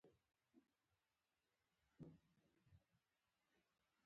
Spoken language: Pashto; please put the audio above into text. ده به تل له خپل ځان سره يوه خبره کوله.